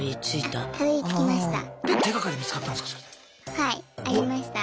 はいありました。